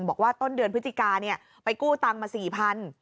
บอกว่าต้นเดือนพฤศจิกาไปกู้ตังค์มา๔๐๐บาท